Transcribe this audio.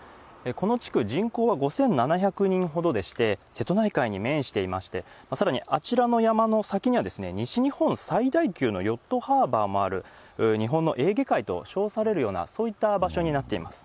この地区、人口は５７００人ほどでして、瀬戸内海に面していまして、さらにあちらの山の先には、西日本最大級のヨットハーバーもある、日本のエーゲ海と称されるような、そういった場所になっています。